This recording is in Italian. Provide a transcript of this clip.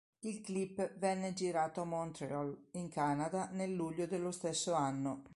Il clip venne girato a Montréal, in Canada nel luglio dello stesso anno.